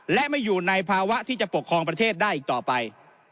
และไม่อยู่ในภาวะที่จะปกครองประเทศได้อีกต่อไป